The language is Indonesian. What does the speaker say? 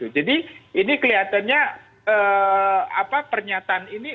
jadi ini kelihatannya pernyataan ini